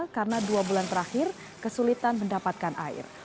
karena dua bulan terakhir kesulitan mendapatkan air